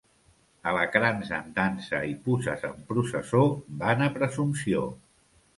Alacrans en dansa i puces en processó, vana presumpció.